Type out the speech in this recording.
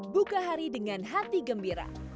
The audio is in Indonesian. buka hari dengan hati gembira